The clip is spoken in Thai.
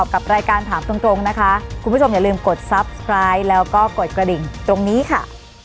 แล้วลากันไปเลยค่ะคุณผู้ชมสวัสดีค่ะ